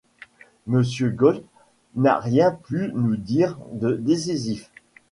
Monsieur Gault n’a rien pu nous dire de décisif.